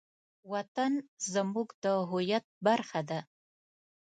وطن زموږ د هویت برخه ده.